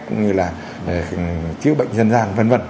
cũng như là chữa bệnh dân gian vân vân